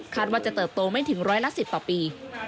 คาดว่าจะเติบโตไม่ถึง๑๐๐ละสิบต่อปี